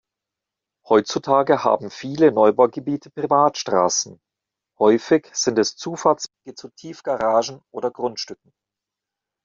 Heutzutage haben viele Neubaugebiete Privatstraßen, häufig sind es Zufahrtswege zu Tiefgaragen oder Grundstücken.